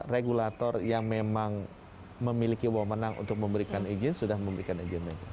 regulator yang memang memiliki wawonan untuk memberikan izin sudah memberikan izin